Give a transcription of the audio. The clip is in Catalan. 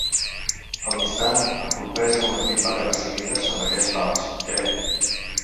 A l’instant, em colpeja unes vint vegades seguides amb aquells pals, crec.